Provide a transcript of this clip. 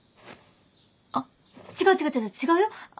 あっ違う違う違う違うよ。